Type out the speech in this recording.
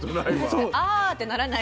確かにあ！ってならない。